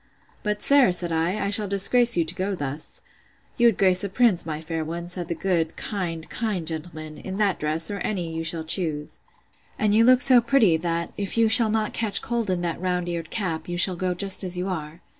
But, sir, said I, I shall disgrace you to go thus. You would grace a prince, my fair one, said the good, kind, kind gentleman! in that dress, or any you shall choose: And you look so pretty, that, if you shall not catch cold in that round eared cap, you shall go just as you are.